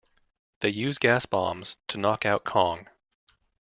They use gas bombs to knock out Kong.